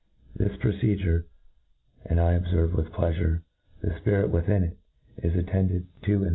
This procedure, and I obfcrve with pleafurp the fpirit wherewith it is attended to in thi?